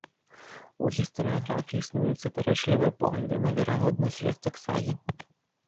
У гістарыяграфіі існуюць супярэчлівыя погляды на верагоднасць звестак сагі.